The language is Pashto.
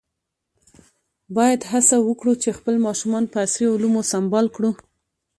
باید هڅه وکړو چې خپل ماشومان په عصري علومو سمبال کړو.